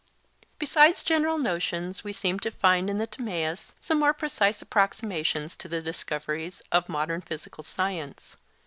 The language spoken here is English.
Besides general notions we seem to find in the Timaeus some more precise approximations to the discoveries of modern physical science.